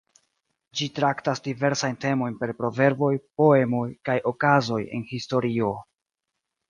Ĝi traktas diversajn temojn per proverboj, poemoj, kaj okazoj en historio.